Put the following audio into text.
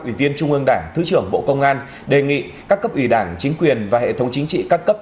ủy viên trung ương đảng thứ trưởng bộ công an đề nghị các cấp ủy đảng chính quyền và hệ thống chính trị các cấp